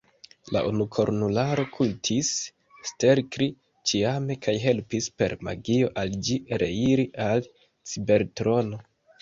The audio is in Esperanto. La unukornularo kultis Stelkri ĉiame, kaj helpis per magio al ĝi reiri al Cibertrono.